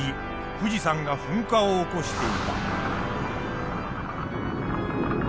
富士山が噴火を起こしていた。